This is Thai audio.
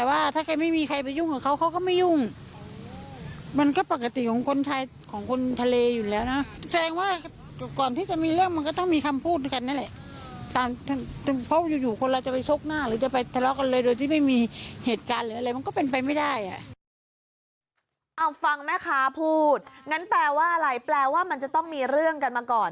เอาฟังแม่ค้าพูดงั้นแปลว่าอะไรแปลว่ามันจะต้องมีเรื่องกันมาก่อน